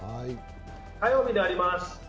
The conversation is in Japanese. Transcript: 火曜日にあります。